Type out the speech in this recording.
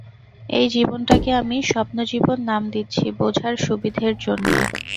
এই জীবনটাকে আমি স্বপ্নজীবন নাম দিচ্ছি বোঝার সুবিধের জন্যে।